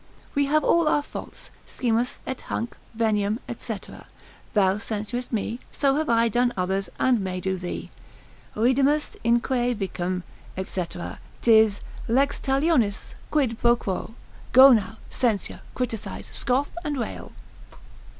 We have all our faults; scimus, et hanc, veniaim, &c. thou censurest me, so have I done others, and may do thee, Cedimus inque vicem, &c., 'tis lex talionis, quid pro quo. Go now, censure, criticise, scoff, and rail.